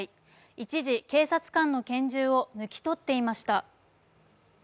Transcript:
一時、警察官の拳銃を抜き取っていました。